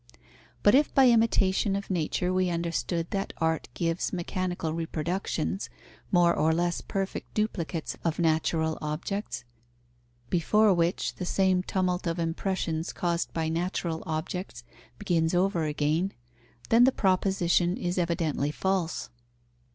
But if by imitation of nature be understood that art gives mechanical reproductions, more or less perfect duplicates of natural objects, before which the same tumult of impressions caused by natural objects begins over again, then the proposition is evidently false.